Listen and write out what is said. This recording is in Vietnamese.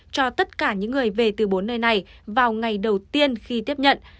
cho tất cả những người về từ bốn nơi này vào ngày đầu tiên khi tiếp nhận